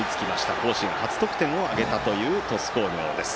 甲子園初得点を挙げた鳥栖工業です。